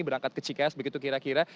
berangkat ke cikas begitu kira kira